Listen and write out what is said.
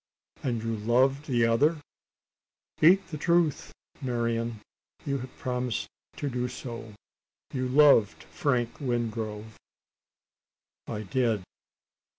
"And you loved the other? Speak the truth, Marian! you have promised to do so you loved Frank Wingrove?" "I did."